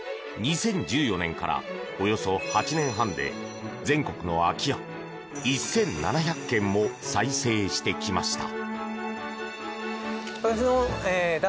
２０１４年からおよそ８年半で全国の空き家１７００軒も再生してきました。